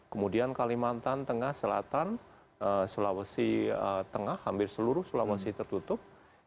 kemudian kalimantan tengah selatan sulawesi tengah hampir seluruh sulawesi tertutup